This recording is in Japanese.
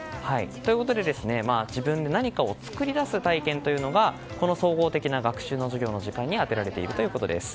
ということで、自分で何かを作り出す体験というのがこの総合的な学習の時間に与えられているということです。